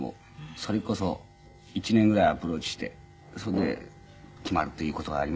それこそ１年ぐらいアプローチしてそれで決まるという事がありますからね。